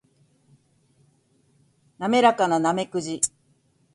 滑らかなナメクジ